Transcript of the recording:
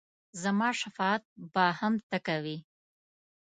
زما شفاعت به هم ته کوې !